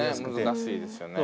難しいですよね。